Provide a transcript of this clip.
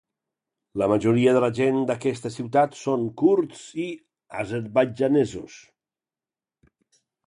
La majoria de la gent d'aquesta ciutat són kurds i azerbaidjanesos.